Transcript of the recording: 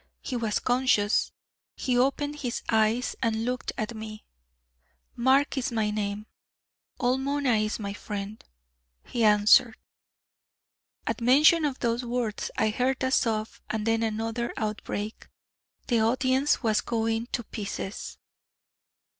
He was conscious; he opened his eyes and looked at me. 'Mark is my name; all Mona is my friend,' he answered. At mention of those words I heard a sob and then another outbreak; the audience was going to pieces."